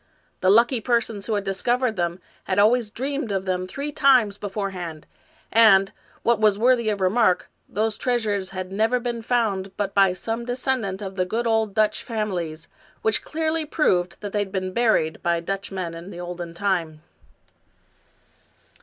The lucky persons who had discovered them had always dreamed of them three times beforehand, and, what was worthy of remark, those treasures had never been found but by some descendant of the good old Dutch families, which clearly proved that they had been buried by Dutch men in the olden time.